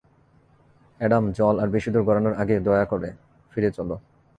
Adam, জল আর বেশিদূর গড়ানোর আগেই, দয়া করে, ফিরে চলো।